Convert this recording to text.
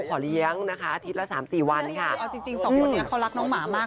ขอเลี้ยงนะคะอาทิตย์ละสามสี่วันค่ะเอาจริงจริงสองคนนี้เขารักน้องหมามาก